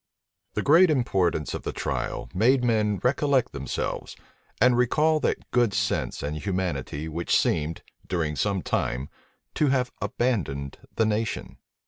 The great importance of the trial made men recollect themselves, and recall that good sense and humanity which seemed, during some time, to have abandoned the nation.